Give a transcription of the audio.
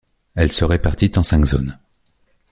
Elle se répartit en cinq zones.